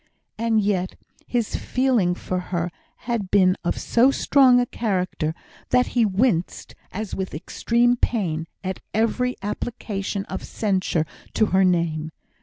And yet his feeling for her had been of so strong a character, that he winced, as with extreme pain, at every application of censure to her name.